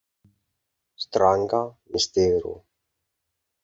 Stranga mistero!